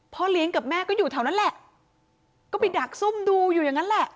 เลี้ยงกับแม่ก็อยู่แถวนั้นแหละก็ไปดักซุ่มดูอยู่อย่างนั้นแหละ